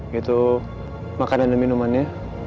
yaitu makanan dan minuman ya